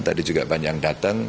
tadi juga banyak yang datang